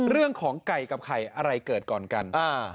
เรื่องของไก่กับไข่อะไรเกิดก่อนกัน